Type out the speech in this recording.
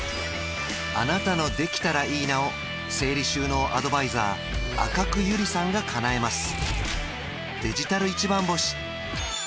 あなたの「できたらいいな」を整理収納アドバイザー赤工友里さんがかなえます